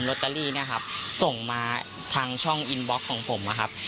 ตเตอรี่เนี่ยครับส่งมาทางช่องอินบล็อกของผมนะครับ